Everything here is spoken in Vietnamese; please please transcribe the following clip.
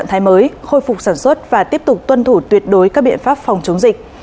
thay mới khôi phục sản xuất và tiếp tục tuân thủ tuyệt đối các biện pháp phòng chống dịch